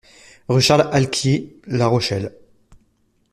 Rue Charles Alquier, La Rochelle